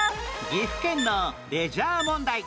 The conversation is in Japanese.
岐阜県のレジャー問題